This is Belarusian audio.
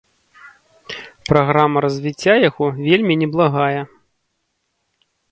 Праграма развіцця яго вельмі неблагая.